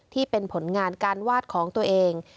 ที่เป็นผลงานการวาดของตัวเอง